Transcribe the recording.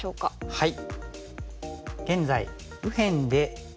はい。